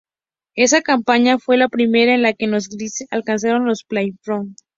Esa campaña fue la primera en la que los Grizzlies alcanzaron los playoffs.